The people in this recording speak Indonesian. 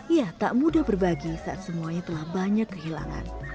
ia tak mudah berbagi saat semuanya telah banyak kehilangan